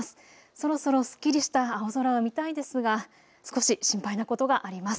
そろそろすっきりした青空見たいですが、少し心配なことがあります。